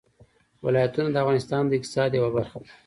ولایتونه د افغانستان د اقتصاد یوه برخه ده.